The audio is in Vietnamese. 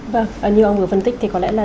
vâng như ông vừa phân tích thì có lẽ là